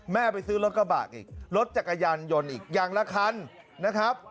ไปซื้อรถกระบะอีกรถจักรยานยนต์อีกอย่างละคันนะครับ